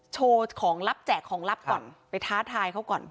โชว์ของลับแจกของลับก่อนไปท้าทายเขาก่อน